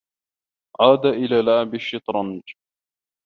عاد إلى لعب الشّطرنج.